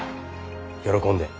喜んで。